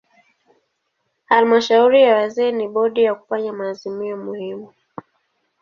Halmashauri ya wazee ni bodi ya kufanya maazimio muhimu.